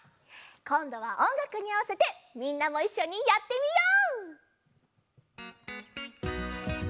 こんどはおんがくにあわせてみんなもいっしょにやってみよう！